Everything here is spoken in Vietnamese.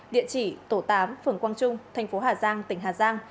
địa chỉ tổ tám phường quang trung thành phố hà giang tỉnh hà giang